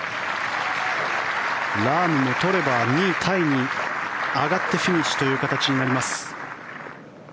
ラームも取れば２位タイに上がってフィニッシュという形になります。